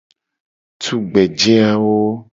Tugbeje awo.